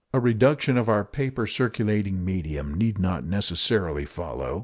A reduction of our paper circulating medium need not necessarily follow.